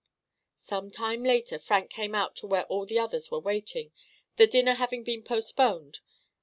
Some time later Frank came out to where all the others were waiting, the dinner having been postponed.